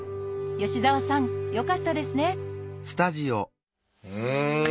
吉澤さんよかったですねうん！